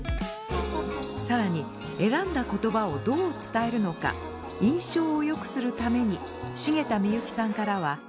更に選んだ言葉をどう伝えるのか印象をよくするために重太みゆきさんからは。